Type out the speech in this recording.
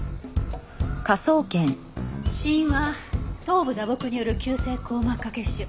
死因は頭部打撲による急性硬膜下血腫。